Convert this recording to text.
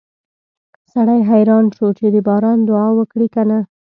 سړی حیران شو چې د باران دعا وکړي که نه